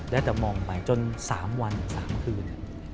แล้วแต่มองไปจน๓วัน๓คืน